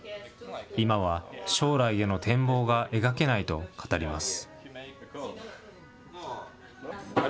今は将来への展望が描けないと語ります。